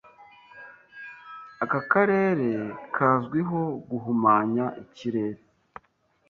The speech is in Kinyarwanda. Aka karere kazwiho guhumanya ikirere.